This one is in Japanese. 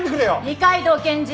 二階堂検事。